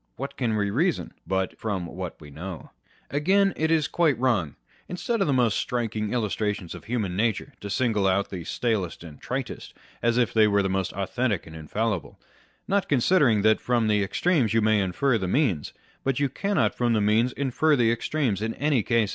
What can we reason, but from what we know ? Again, it is quite wrong, instead of the most striking illustrations of human nature, to single out the stalest, and tritest, as if they were most authentic and infallible ; not considering that from the extremes you may infer the means, but you cannot from the means infer the extremes in any case.